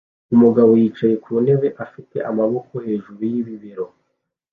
Umugabo yicaye ku ntebe afite amaboko hejuru y'ibibero